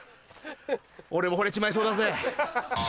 俺もほれちまいそうだぜ。